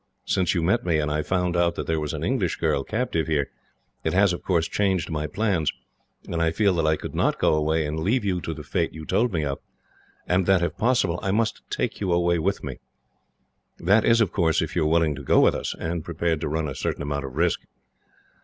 Since you met me, and I found that there was an English girl captive here, it has of course changed my plans, and I feel that I could not go away and leave you to the fate you told me of, and that if possible, I must take you away with me. That is, of course, if you are willing to go with us, and prepared to run a certain amount of risk.